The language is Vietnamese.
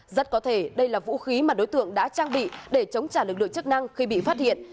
rất có thể đây là vũ khí mà đối tượng đã trang bị để chống trả lực lượng chức năng khi bị phát hiện